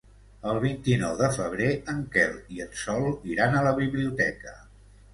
El vint-i-nou de febrer en Quel i en Sol iran a la biblioteca.